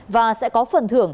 và sẽ có phần thưởng